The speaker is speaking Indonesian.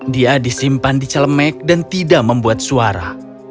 dia disimpan di celemek dan tidak membuat suara